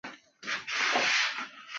它由楚科奇自治区负责管辖。